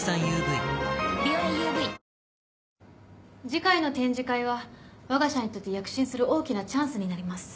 次回の展示会は我が社にとって躍進する大きなチャンスになります。